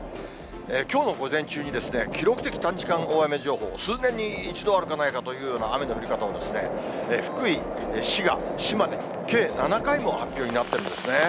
きょうの午前中に、記録的短時間大雨情報、数年に一度あるかないかという雨の降り方を、福井、滋賀、島根、計７回も発表になっているんですね。